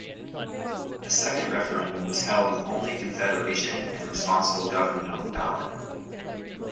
A second referendum was held with only confederation and responsible government on the ballot.